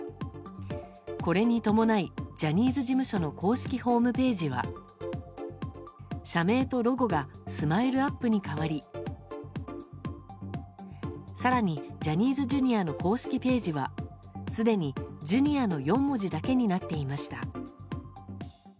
これに伴いジャニーズ事務所の公式ホームページは社名とロゴがＳＭＩＬＥ‐ＵＰ．に変わり更にジャニーズＪｒ．の公式ページはすでにジュニアの４文字だけになっていました。